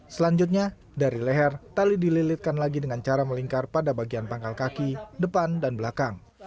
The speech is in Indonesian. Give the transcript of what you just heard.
selanjutnya dari leher tali dililitkan lagi dengan cara melingkar pada bagian pangkal kaki depan dan belakang